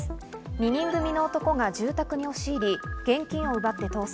２人組の男が住宅に押し入り現金を奪って逃走。